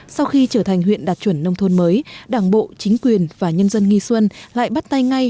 sau khi trở thành huyện đạt chuẩn nông thôn mới đảng bộ chính quyền và nhân dân nghi xuân lại bắt tay ngay